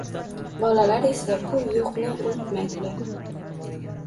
Bolalar esa bu “yo‘q”ni unutmaydilar